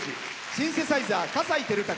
シンセサイザー、葛西暉武。